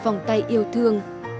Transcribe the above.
phòng tay yêu thương